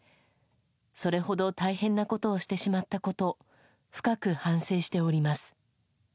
それほど大変なことをしてしまったこと、深く反省しております。